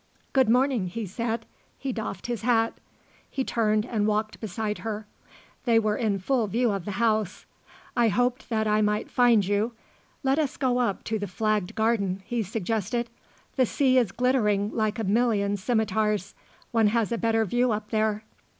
"Good morning," he said. He doffed his hat. He turned and walked beside her. They were in full view of the house. "I hoped that I might find you. Let us go up to the flagged garden," he suggested; "the sea is glittering like a million scimitars. One has a better view up there."